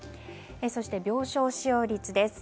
そして病床使用率です。